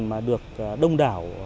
mà được đông đảo